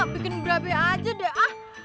bikin berabe aja deh